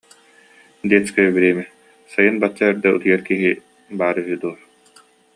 Детское время, сайын бачча эрдэ утуйар киһи баар үһү дуо